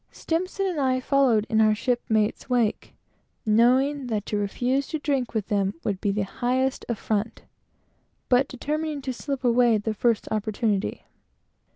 S and I followed in our shipmates' wake, knowing that to refuse to drink with them would be the highest affront, but determining to slip away at the first opportunity.